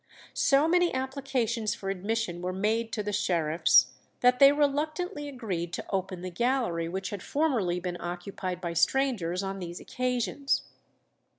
So many applications for admission were made to the sheriffs, that they reluctantly agreed to open the gallery which had formerly been occupied by strangers on these occasions.